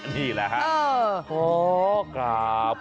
นี่แหละค่ะเออ